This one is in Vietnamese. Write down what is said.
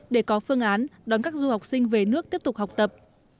để có phương án đón các du học sinh về nước tiếp tục học tập